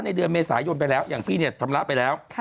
เดือนเมษายนไปแล้วอย่างพี่เนี่ยชำระไปแล้ว